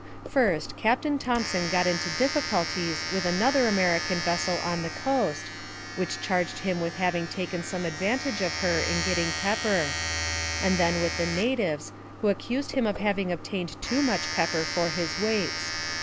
First, Captain Thompson got into difficulties with another American vessel on the coast, which charged him with having taken some advantage of her in getting pepper; and then with the natives, who accused him of having obtained too much pepper for his weights.